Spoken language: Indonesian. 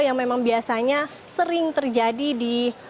yang memang biasanya sering terjadi di